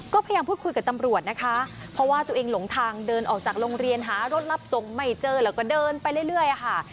ก็พยายามพูดคุยกับตำรวจนะคะเพราะว่าตัวเองหลงทางเดินออกจากโรงเรียนหารถรับส่งไม่เจอแล้วก็เดินไปเรื่อยค่ะ